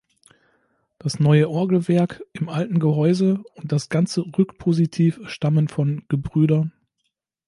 Das neue Orgelwerk im alten Gehäuse und das ganze Rückpositiv stammen von Gebr.